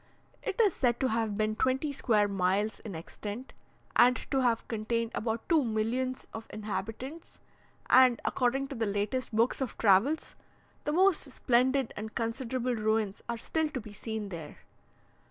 It is said to have been twenty square miles in extent, and to have contained about two millions of inhabitants, and, according to the latest books of travels, the most splendid and considerable ruins are still to be seen there.